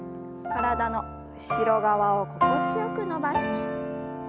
体の後ろ側を心地よく伸ばして。